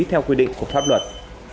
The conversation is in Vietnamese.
theo quy định của pháp luật